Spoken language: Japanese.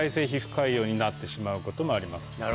になってしまうこともあります。